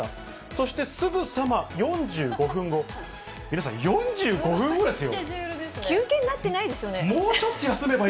そして、すぐさま４５分後、皆さん、４５分後ですよ。